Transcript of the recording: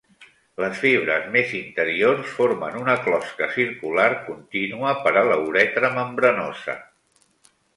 Les fibres més interiors formen una closca circular continua per a la uretra membranosa.